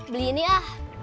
beli ini ah